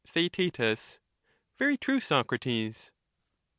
TheaeU Very true, Socrates.